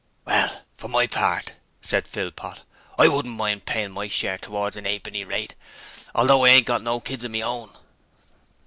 'Well, for my part,' said Philpot, 'I wouldn't mind payin' my share towards a 'appeny rate, although I ain't got no kids o' me own.'